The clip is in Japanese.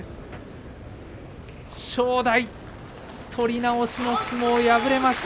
正代、取り直しの相撲敗れました。